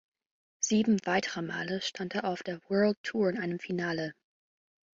Sieben weitere Male stand er auf der World Tour in einem Finale.